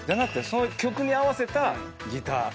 その曲に合わせた衣装靴。